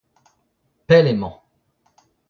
Pell emañ.